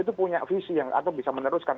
itu punya visi yang atau bisa meneruskan